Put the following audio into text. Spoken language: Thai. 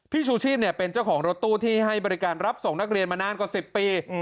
ชูชีพเป็นเจ้าของรถตู้ที่ให้บริการรับส่งนักเรียนมานานกว่า๑๐ปี